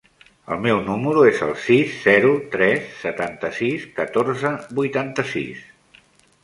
El meu número es el sis, zero, tres, setanta-sis, catorze, vuitanta-sis.